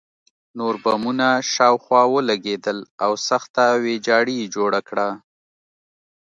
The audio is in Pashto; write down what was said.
نور بمونه شاوخوا ولګېدل او سخته ویجاړي یې جوړه کړه